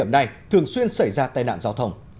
ngày thường xuyên xảy ra tai nạn giao thông